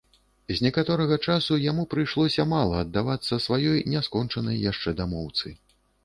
З некаторага часу яму прыйшлося мала аддавацца сваёй не скончанай яшчэ дамоўцы.